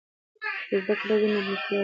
که زده کړه وي نو تیاره نه وي.